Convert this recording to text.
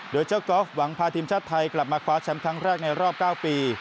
โดยเจ้ากอล์ฟหวังพาทีมชาติไทยกลับมาคว้าแชมป์ครั้งแรกในรอบ๙ปี